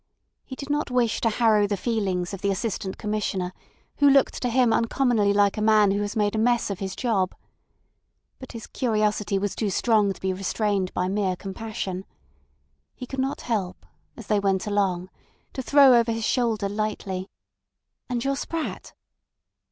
He did not wish to harrow the feelings of the Assistant Commissioner, who looked to him uncommonly like a man who has made a mess of his job. But his curiosity was too strong to be restrained by mere compassion. He could not help, as they went along, to throw over his shoulder lightly: "And your sprat?"